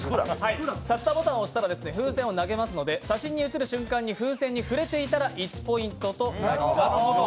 シャッターボタンを押したら風船を投げますので写真に写る瞬間に風船に触れていたら１ポイントとなります。